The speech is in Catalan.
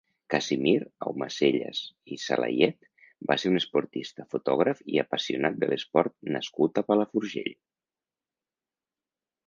Casimir Aumacellas i Salayet va ser un esportista, fotògraf i apassionat de l'esport nascut a Palafrugell.